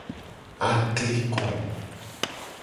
Akliko.